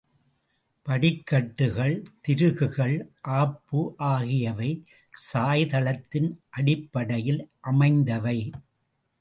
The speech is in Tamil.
படிக்கட்டுகள், திருகுகள், ஆப்பு ஆகியவை சாய்தளத்தின் அடிப்படையில் அமைந்தவை.